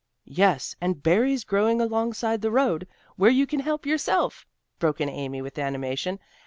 "Yes, and berries growing alongside the road, where you can help yourself," broke in Amy with animation.